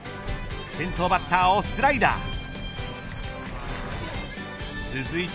先頭バッターをスライダー。